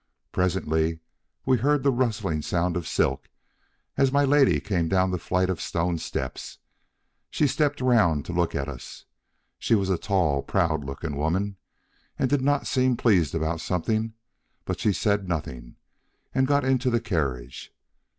Presently we heard the rustling sound of silk as my lady came down the flight of stone steps. She stepped round to look at us; she was a tall, proud looking woman, and did not seem pleased about something, but she said nothing, and got into the carriage.